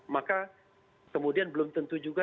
maka kemudian belum tentu juga